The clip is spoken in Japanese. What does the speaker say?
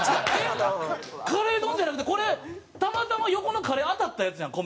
カレー丼じゃなくてこれたまたま横のカレー当たったやつやん米。